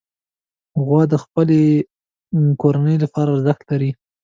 غوا د خپلې کورنۍ لپاره ارزښت لري.